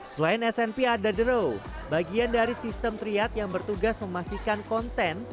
selain smp ada the row bagian dari sistem triat yang bertugas memastikan konten